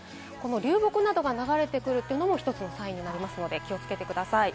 流木などが流れてくるというのも一つのサインになりますので気をつけてください。